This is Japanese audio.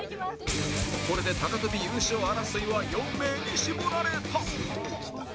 これで高跳び優勝争いは４名に絞られた